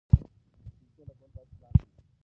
د پیسو لګول باید پلان ولري.